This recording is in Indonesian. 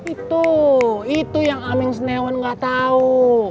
itu itu yang aming senewan gak tahu